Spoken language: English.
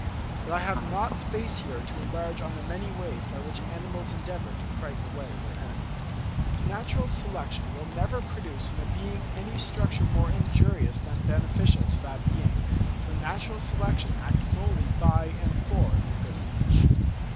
But I have not space here to enlarge on the many ways by which animals endeavour to frighten away their enemies. Natural selection will never produce in a being any structure more injurious than beneficial to that being, for natural selection acts solely by and for the good of each.